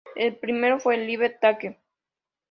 El primero fue "Live Take".